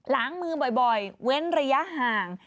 ล้างมือบ่อยเว้นระยะห่าง